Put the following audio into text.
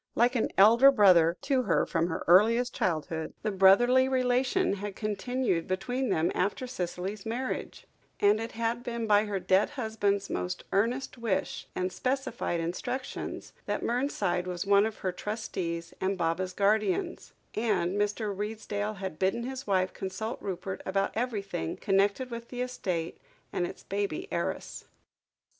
Like an elder brother to her from her earliest childhood, the brotherly relation had continued between them after Cicely's marriage, and it had been by her dead husband's most earnest wish, and specified instructions, that Mernside was one of her trustees and Baba's guardians, and Mr. Redesdale had bidden his wife consult Rupert about everything connected with the estate and its baby heiress.